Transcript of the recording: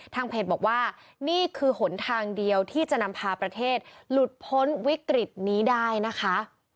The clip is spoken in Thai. เพจบอกว่านี่คือหนทางเดียวที่จะนำพาประเทศหลุดพ้นวิกฤตนี้ได้นะคะ